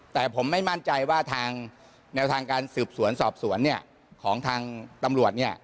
แต่ผมไม่มั่นใจว่าแนวทางการสืบสวนสอบสวนของทางตำรวจ